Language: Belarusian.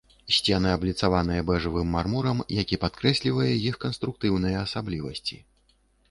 Сцены абліцаваныя бэжавым мармурам, які падкрэслівае іх канструктыўныя асаблівасці.